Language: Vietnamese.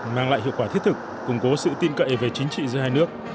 mang lại hiệu quả thiết thực củng cố sự tin cậy về chính trị giữa hai nước